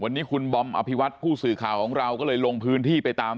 วันนี้คุณบอมอภิวัตผู้สื่อข่าวของเราก็เลยลงพื้นที่ไปตาม